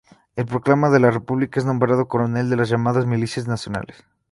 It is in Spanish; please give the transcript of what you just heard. Al proclamarse la República es nombrado coronel de las llamadas Milicias Nacionales.